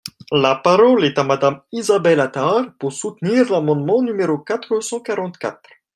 La parole est à Madame Isabelle Attard, pour soutenir l’amendement numéro quatre cent quarante-quatre.